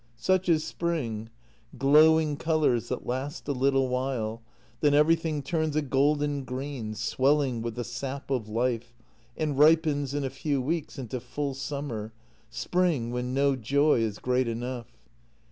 Such is spring: glowing colours that last a little while, then everything turns a golden green, swelling with the sap of life, and ripens in a few weeks into full summer — spring, when no joy is great enough.